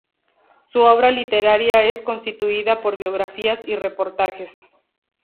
Su obra literaria es constituida por biografías y reportajes.